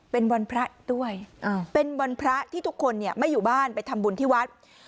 เป็นวันพระด้วยเป็นวันพระที่ทุกคนไม่อยู่บ้านไปทำบุญที่วัด